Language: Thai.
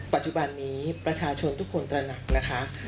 ปัจจุบันนี้ประชาชนทุกคนตระหนักนะคะ